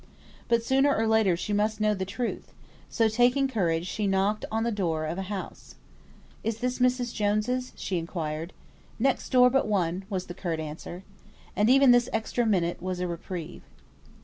But sooner or later she must know the truth; so taking courage she knocked at the door of a house. "Is this Mrs. Jones's?" she inquired. "Next door but one," was the curt answer. And even this extra minute was a reprieve.